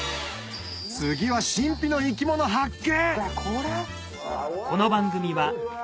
次は神秘の生き物発見！